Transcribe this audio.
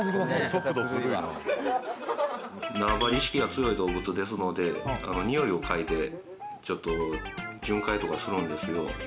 速度ずるいな縄張り意識が強い動物ですのでにおいを嗅いでちょっと巡回とかするんですよ